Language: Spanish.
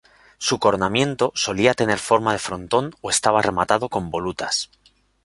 Su coronamiento solía tener forma de frontón o estaba rematado con volutas.